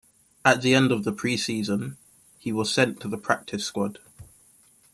At the end of the preseason, he was sent to the practice squad.